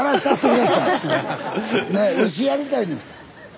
牛やりたいねん。